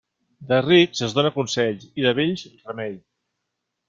De rics es dóna consells i de vells remei.